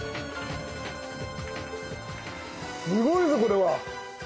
すごいぞこれは！